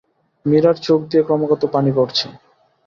মীরার চোখ দিয়ে ক্রমাগত পানি পড়ছে।